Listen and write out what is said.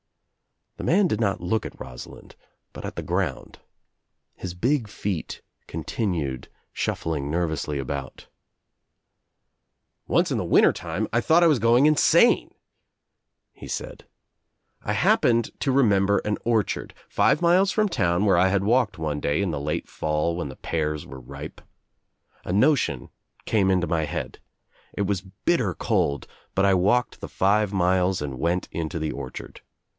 The man did not look at Rosalind but at the ground. 01 T Of NOWHERE INTO NOTHING I93 I PHHis. big feet continued shuffling nervously about. ' "Once In the winter time I thought I was going in sane," he said. "I happened to remember an orchard, five miles from town where I had walked one day in the late fall when the pears were ripe. A notion came info my head. It was bitter cold but I walked the five miles and went into the orchard.